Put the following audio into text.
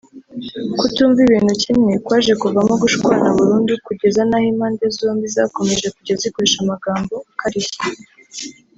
Kutumva ibintu kimwe kwaje kuvamo gushwana burundu kugeza n’aho impande zombi zakomeje kujya zikoresha amagambo akarishye